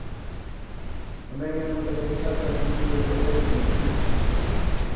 Tamén é a montaña máis alta da península de Corea e de Manchuria.